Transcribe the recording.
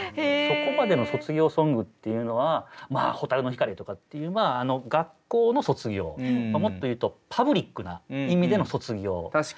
そこまでの卒業ソングっていうのはまあ「蛍の光」とかっていう学校の卒業もっと言うとパブリックな意味での卒業。